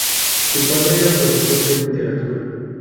Su padre era profesor de Literatura.